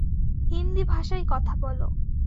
হিন্দি ভাষায় কথা বলো।